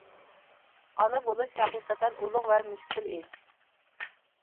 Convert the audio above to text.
ئانا بولۇش ھەقىقەتەن ئۇلۇغ ۋە مۈشكۈل ئىش.